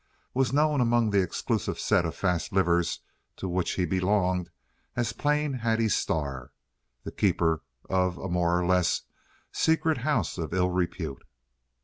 was known among the exclusive set of fast livers, to which he belonged, as plain Hattie Starr, the keeper of a more or less secret house of ill repute.